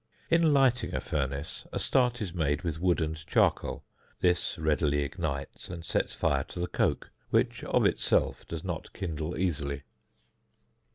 In lighting a furnace, a start is made with wood and charcoal, this readily ignites and sets fire to the coke, which of itself does not kindle easily.